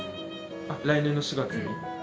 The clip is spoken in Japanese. ああ来年の４月に。